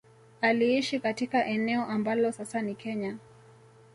Aliishi katika eneo ambalo sasa ni Kenya